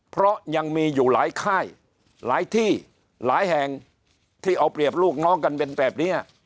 เพราะยังมีอยู่หลายค่ายหลายที่หลายแห่งที่เอาเปรียบลูกน้องกันเป็นแบบนี้